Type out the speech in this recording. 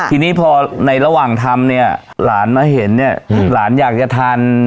ทีนี้พอในระหว่างทำเนี่ยหลานมาเห็นเนี่ยหลานอยากจะทาน